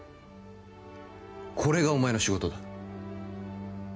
これがお前の仕事だ